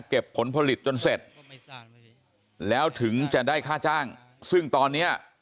ผลผลิตจนเสร็จแล้วถึงจะได้ค่าจ้างซึ่งตอนเนี้ย